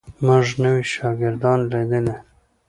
موږ نوي شاګردان لیدلي.